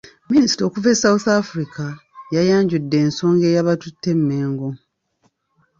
Minisita okuva e South Africa yayanjudde ensonga eyabatutte e Mengo.